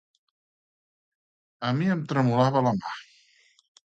A mi em tremolava la mà.